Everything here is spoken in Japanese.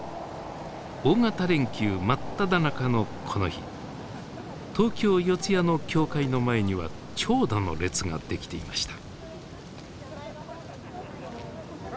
大型連休真っただ中のこの日東京・四谷の教会の前には長蛇の列ができていました。